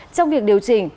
trong việc điều chỉnh